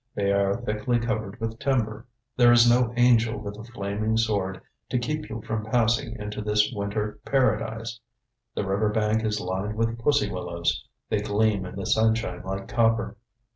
They are thickly covered with timber. There is no angel with a flaming sword to keep you from passing into this winter paradise! The river bank is lined with pussy willows; they gleam in the sunshine like copper.